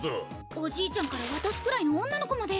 おじいちゃんから私くらいの女の子まで。